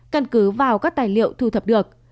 căn cứ vào các tài liệu thu thập được